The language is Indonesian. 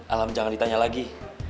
alam jangan ditanya lagi